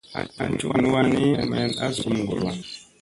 An cukni wanni mayan a zum ŋgollo.